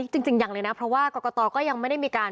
จริงยังเลยนะเพราะว่ากรกตก็ยังไม่ได้มีการ